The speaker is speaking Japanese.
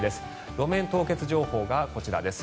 路面凍結情報がこちらです。